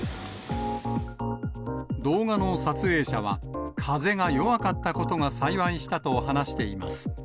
動画の撮影者は、風が弱かったことが幸いしたと話しています。